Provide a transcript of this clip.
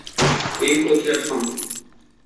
এই পথে আসুন।